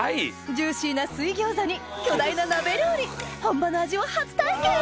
ジューシーな水餃子に巨大な鍋料理本場の味を初体験！